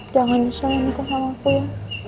jangan nyusul nikah sama aku ya